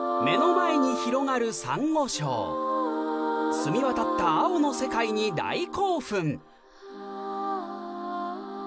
澄み渡った青の世界に大興奮！